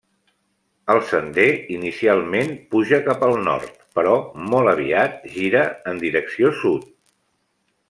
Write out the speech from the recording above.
El sender inicialment puja cap al nord però molt aviat gira en direcció sud.